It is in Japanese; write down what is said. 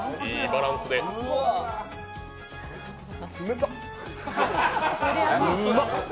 冷たっ！